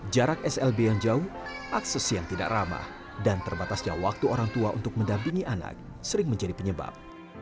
jarak slb yang jauh akses yang tidak ramah dan terbatasnya waktu orang tua untuk mendampingi anak sering menjadi penyebab